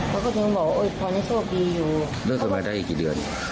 เขาก็ยังบอกว่าตอนนี้โชคดีอยู่เลิกกันมาได้กี่เดือน